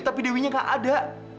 tapi dewinya gak ada